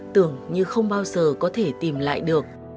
tưởng như không bao giờ có thể tìm lại được